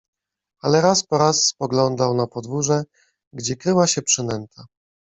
Ale raz po raz spoglądał na podwórze, gdzie kryła się przynęta.